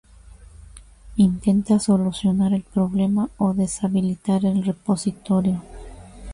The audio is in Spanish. intenta solucionar el problema o deshabilitar el repositorio.